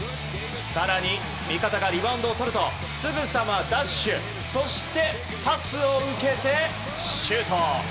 更に、見方がリバウンドをとるとすぐさまダッシュそしてパスを受けてシュート。